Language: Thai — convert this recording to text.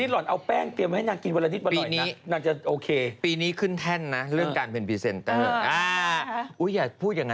รีบหนีไปเรื่องหนึ่งเวลาน่ะ